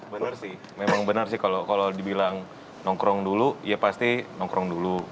benar sih memang benar sih kalau dibilang nongkrong dulu ya pasti nongkrong dulu